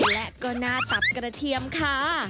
และก็หน้าตับกระเทียมค่ะ